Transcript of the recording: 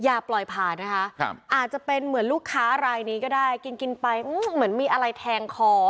อย่าปล่อยผ่านนะคะอาจจะเป็นเหมือนลูกค้ารายนี้ก็ได้กินกินไปเหมือนมีอะไรแทงคอ